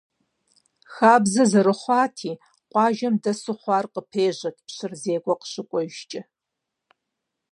Хабзэ зэрыхъуати, къуажэм дэсу хъуар къыпежьэт пщыр зекӀуэ къыщыкӀуэжкӀэ.